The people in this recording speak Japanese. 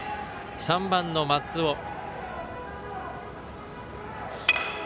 ３番の松尾。